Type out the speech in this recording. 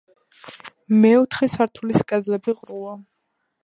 მეოთხე სართულის კედლები ყრუა.